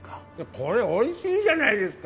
これおいしいじゃないですか。